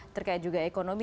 terkait juga ekonomi